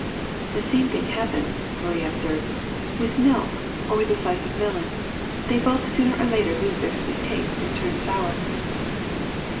'' ^'The same thing happens," Marie observed, *^ with milk or with a slice of melon : they both sooner or later lose their sweet taste and turn sour.